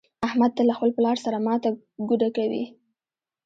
احمد تل له خپل پلار سره ماته ګوډه کوي.